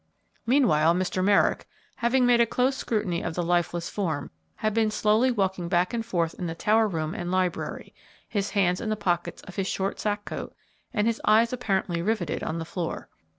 Meanwhile, Mr. Merrick, having made a close scrutiny of the lifeless form, had been slowly walking back and forth in the tower room and library, his hands in the pockets of his short sacque coat and his eyes apparently riveted on the floor.